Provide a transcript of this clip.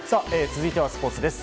続いてはスポーツです。